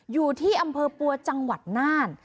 อยู่ที่อำเภอปัวจังหวัดน่าน